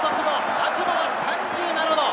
角度は３７度！